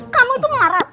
kamu itu marah